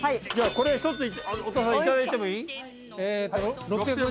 これ一つお父さん頂いてもいい？